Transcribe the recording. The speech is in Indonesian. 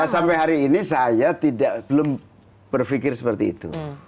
sampai hari ini saya belum berpikir seperti itu